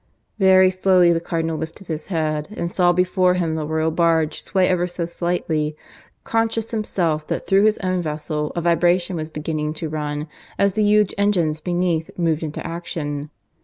Very slowly the Cardinal lifted his head, and saw before him the Royal barge sway ever so slightly, conscious himself that through his own vessel a vibration was beginning to run as the huge engines beneath moved into action.